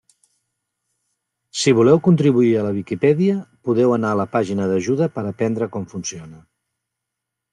Si voleu contribuir a la Viquipèdia, podeu anar a la pàgina d'ajuda per aprendre com funciona.